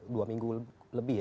dua minggu lebih ya